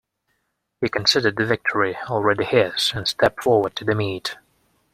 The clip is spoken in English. He considered the victory already his and stepped forward to the meat.